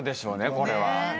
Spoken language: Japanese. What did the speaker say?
これは。